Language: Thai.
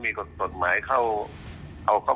มีกฎหมายข้ามีความยาว